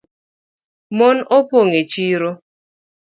Mon opong’ e chiro